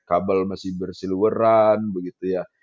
kabel masih bersiluweran begitu ya